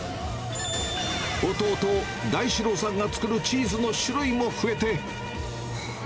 弟、大志郎さんが作るチーズの種類も増えて。